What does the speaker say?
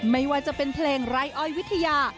ไม่ว่าจะเป็นเพลงไร้อ้อยวิทยา